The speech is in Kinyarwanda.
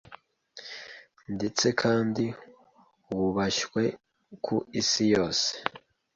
ndetse kandi wubashywe ku Isi, yose